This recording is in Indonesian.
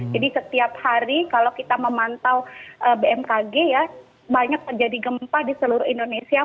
jadi setiap hari kalau kita memantau bmkg ya banyak terjadi gempa di seluruh indonesia